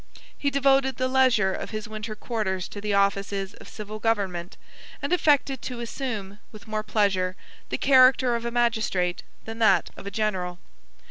89 He devoted the leisure of his winter quarters to the offices of civil government; and affected to assume, with more pleasure, the character of a magistrate than that of a general.